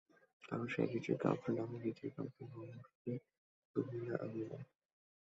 কারণ সে রিচির গার্লেফ্রন্ড আমি রিচির গার্লেফ্রন্ড না অবশ্যই তুমি না আমি না।